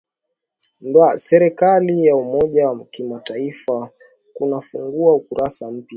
ndwa kwa serikali ya umoja wa kitaifa kunafungua ukurasa mpya